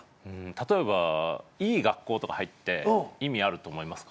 例えばいい学校とか入って意味あるって思いますか？